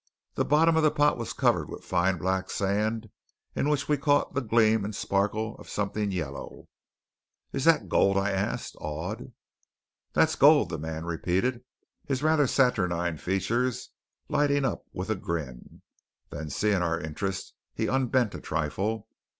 The bottom of the pot was covered with fine black sand in which we caught the gleam and sparkle of something yellow. "Is that gold?" I asked, awed. "That's gold," the man repeated, his rather saturnine features lighting up with a grin. Then seeing our interest, he unbent a trifle.